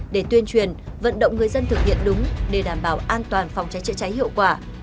để tuyên truyền vận động người dân thực hiện đúng để đảm bảo an toàn phòng cháy chữa cháy hiệu quả